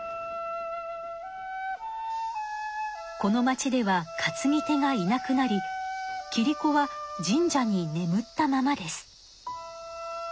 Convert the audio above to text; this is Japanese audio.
この町では担ぎ手がいなくなりキリコは神社にねむったままです。